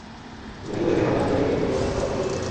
উনি বলেছেন, মাঝেমাঝে ডেমিয়েনকে উনার কাছে অশুভ কিছু মনে হয়।